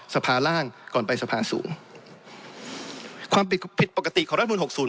สภาร่างก่อนไปสภาสูงความผิดผิดปกติของรัฐมนตหกศูน